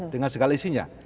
dengan segala isinya